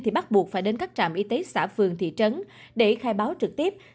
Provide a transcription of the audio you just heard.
thì bắt buộc phải đến các trạm y tế xã phường thị trấn để khai báo trực tiếp